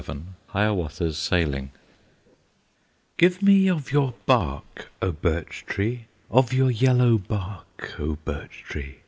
VII Hiawatha's Sailing "Give me of your bark, O Birch tree! Of your yellow bark, O Birch tree!